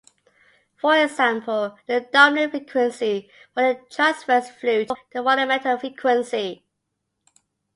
For example, the dominant frequency for the transverse flute is double the fundamental frequency.